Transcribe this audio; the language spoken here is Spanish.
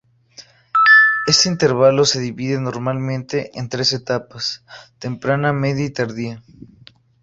Este intervalo se divide normalmente en tres etapas: temprana, media y tardía.